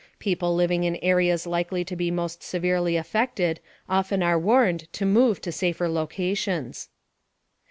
People living in areas likely to be most severely affected often are warned to move to safer locations.